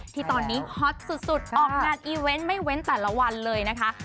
ที่ตอนนี้ฮอตสุดออกงานอีเวนต์ไม่เว้นแต่ละวันเลยนะคะ